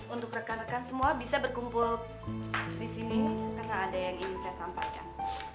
untuk rekan rekan semua bisa berkumpul di sini karena ada yang ingin saya sampaikan